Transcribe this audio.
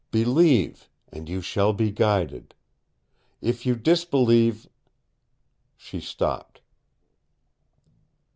Believe, and you shall be guided. If you disbelieve " She stopped.